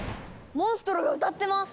モンストロが歌ってます！